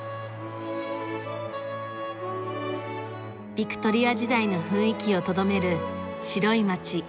ビクトリア時代の雰囲気をとどめる白い街オアマル。